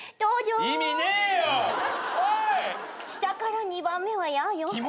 下から２番目はやあよ。